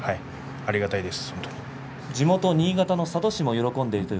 ありがたいです。